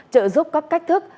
trợ giúp các cách thức